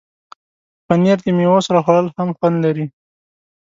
پنېر د میوو سره خوړل هم خوند لري.